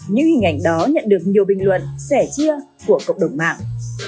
những hình ảnh đó nhận được nhiều bình luận sẻ chia của cộng đồng mạng